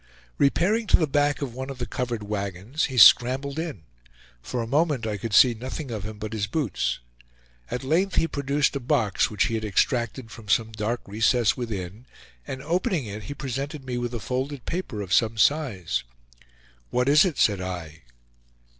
Repairing to the back of one of the covered wagons, he scrambled in; for a moment I could see nothing of him but his boots. At length he produced a box which he had extracted from some dark recess within, and opening it, he presented me with a folded paper of some size. "What is it?" said I.